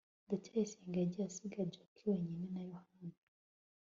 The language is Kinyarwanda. ndacyayisenga yagiye, asiga jaki wenyine na yohana